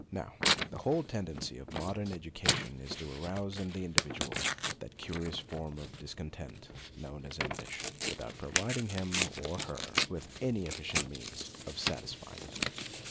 Now, the whole tendency of modern education is to arouse in the individual that curious form of dis content known as ambition, without provid ing him, or her, with any efficient means of satisfying it.